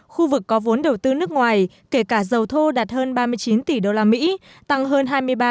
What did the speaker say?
khu vực có vốn đầu tư nước ngoài kể cả dầu thô đạt hơn ba mươi chín tỷ đô la mỹ tăng hơn hai mươi ba